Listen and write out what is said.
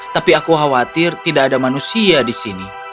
tapi aku khawatir tidak ada manusia di sini